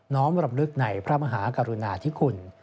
้อมรำลึกในพระมหากรุณาธิคุณ